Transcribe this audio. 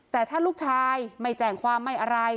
แต่ถ้าลูกชายไม่แจ้งความไม่อะไร